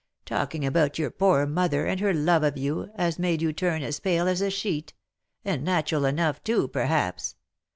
Talking about your poor mother, and her love of you, has made you turn as pale as a sheet ; and natural enough, too, perhaps.